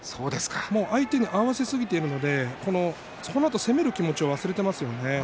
相手に合わせすぎているのでそのあと攻める気持ちを忘れていますよね。